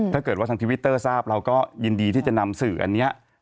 ถ้าเกิดว่าทางทวิตเตอร์ทราบเราก็ยินดีที่จะนำสื่ออันนี้